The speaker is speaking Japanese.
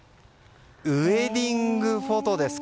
ウェディングフォトです。